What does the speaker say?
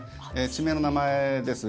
地名の名前です。